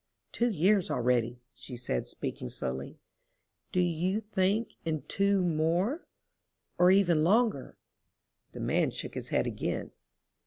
"Two years already," she said, speaking slowly—"do you think in two more—or even longer?" The man shook his head again.